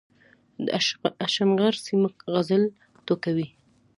د اشنغر سيمه غزل ټوکوي